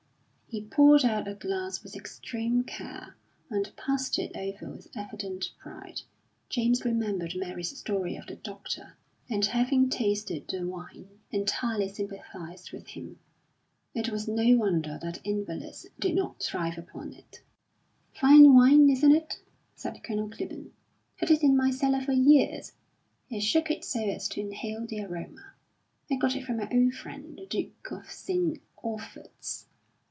He poured out a glass with extreme care, and passed it over with evident pride. James remembered Mary's story of the doctor, and having tasted the wine, entirely sympathised with him. It was no wonder that invalids did not thrive upon it. "Fine wine, isn't it?" said Colonel Clibborn. "Had it in my cellar for years." He shook it so as to inhale the aroma. "I got it from my old friend, the Duke of St. Olphert's.